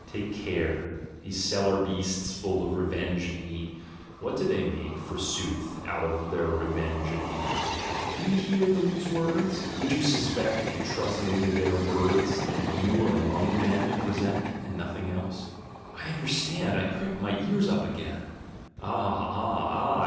Take care! These cellar beasts, full of revenge and hate — what do they make, forsooth, out of their revenge and hate? Do you hear these words? Would you suspect, if you trusted only their words, that you are among men of resentment and nothing else? 3 2 THE GENEALOGY OF MORALS ''I understand, I prick my ears up again (ah! ah! ah!